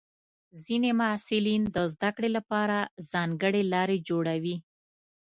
ځینې محصلین د زده کړې لپاره ځانګړې لارې جوړوي.